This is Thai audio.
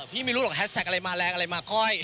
ไม่รู้หรอกแฮสแท็กอะไรมาแรงอะไรมาค่อย